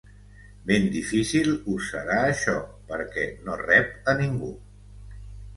Ben difícil us serà això perque no reb a ningú.